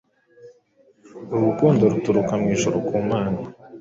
uru rukundo ruturuka mu ijuru kumana